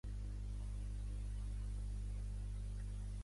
Mar Ulldemolins i Sarret és una actriu nascuda a Valls.